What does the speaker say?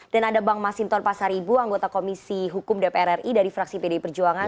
dan ada bang masinton pasaribu anggota komisi hukum dpr ri dari fraksi pdi perjuangan